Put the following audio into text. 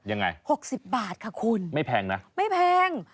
หกสิบบาทค่ะคุณไม่แพงนะไม่แพง